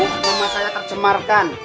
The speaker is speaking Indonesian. nama saya tercemarkan